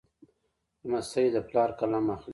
لمسی د پلار قلم اخلي.